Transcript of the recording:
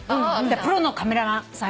プロのカメラマンさん